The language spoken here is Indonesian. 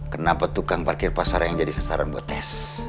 kenapa tukang parkir pasar yang jadi sasaran buat tes